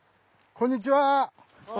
こんにちは。